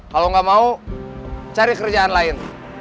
kalau nggak mau cari kerjaan lain